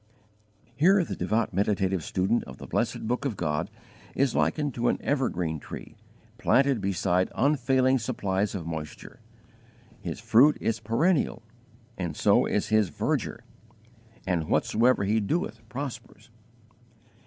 "_ Here the devout meditative student of the blessed book of God is likened to an evergreen tree planted beside unfailing supplies of moisture; his fruit is perennial, and so is his verdure and whatsoever he doeth prospers!